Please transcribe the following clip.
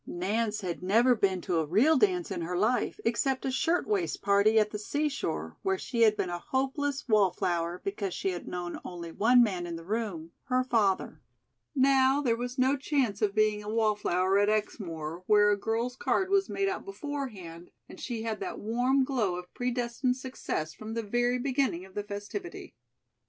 Nance had never been to a real dance in her life, except a "shirtwaist" party at the seashore, where she had been a hopeless wallflower because she had known only one man in the room her father. Now, there was no chance of being a wallflower at Exmoor, where a girl's card was made out beforehand, and she had that warm glow of predestined success from the very beginning of the festivity.